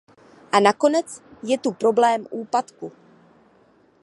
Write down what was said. A nakonec je tu problém úpadku.